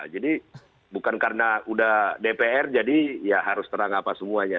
jadi bukan karena udah dpr jadi ya harus terang apa semuanya